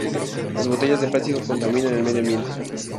Las botellas de plástico contaminan el medio ambiente.